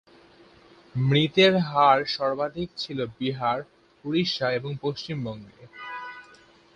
মৃতের হার সর্বাধিক ছিল বিহার, উড়িষ্যা এবং পশ্চিমবঙ্গে।